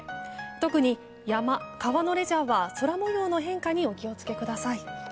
特に山、川のレジャーは空模様の変化にお気をつけください。